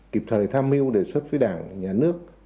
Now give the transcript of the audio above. kịp thời tham mưu đề xuất với đảng nhà nước